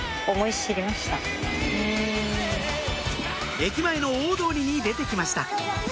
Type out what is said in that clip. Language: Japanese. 駅前の大通りに出てきました